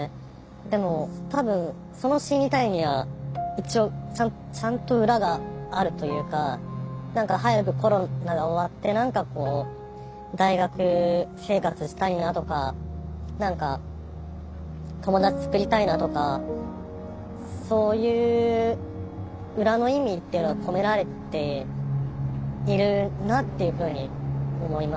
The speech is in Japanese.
でも多分その「死にたい」には一応ちゃんと裏があるというか早くコロナが終わって何かこう大学生活したいなとか何か友達つくりたいなとかそういう裏の意味っていうのが込められているなっていうふうに思います。